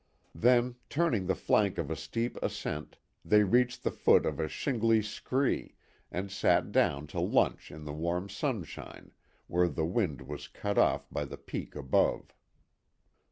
Then turning the flank of a steep ascent, they reached the foot of a shingly scree, and sat down to lunch in the warm sunshine, where the wind was cut off by the peak above.